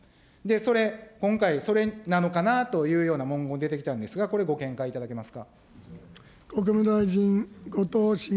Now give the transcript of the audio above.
それ、今回、それなのかなというような文言、出てきたんですが、これ、ご見解いただけますか。